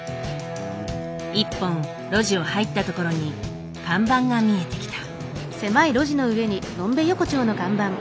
一本路地を入った所に看板が見えてきた。